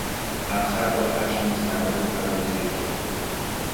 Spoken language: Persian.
افسر با خشم به سرباز فراری خیره شد.